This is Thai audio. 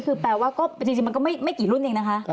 จริงแล้วก็ไม่ตรงนี้กี่รุ่นเองนะคะ